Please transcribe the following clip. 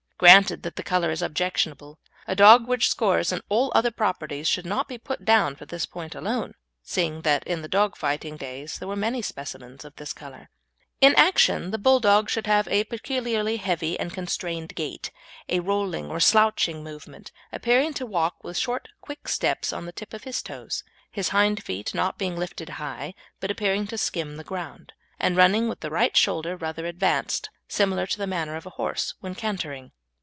Granted that the colour is objectionable, a dog which scores in all other properties should not be put down for this point alone, seeing that in the dog fighting days there were many specimens of this colour. In action the Bulldog should have a peculiarly heavy and constrained gait, a rolling, or "slouching" movement, appearing to walk with short, quick steps on the tip of his toes, his hind feet not being lifted high but appearing to skim the ground, and running with the right shoulder rather advanced, similar to the manner of a horse when cantering.